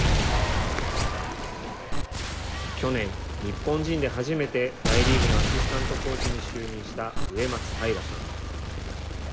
去年、日本人で初めて大リーグのアシスタントコーチに就任した植松泰良さん。